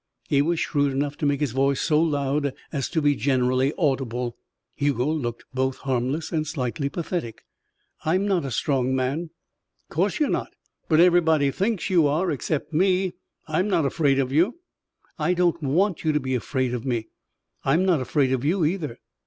He was shrewd enough to make his voice so loud as to be generally audible. Hugo looked both harmless and slightly pathetic. "I'm not a strong man." "Course you're not. But everybody thinks you are except me. I'm not afraid of you." "I don't want you to be afraid of me. I'm not afraid of you, either."